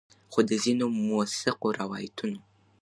خو د ځینو مؤثقو روایتونو